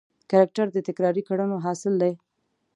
کرکټر د تکراري کړنو حاصل دی.